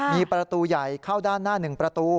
มีประตูใหญ่เข้าด้านหน้า๑ประตู